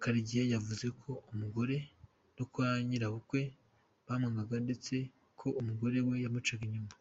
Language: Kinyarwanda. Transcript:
Karegeya yavuze ko umugore no kwa nyirabukwe bamwaganga ndetse ko umugore we yamucaga inyuma.